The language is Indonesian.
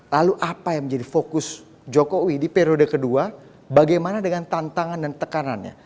lalu apa yang menjadi fokus jokowi di periode kedua bagaimana dengan tantangan dan tekanannya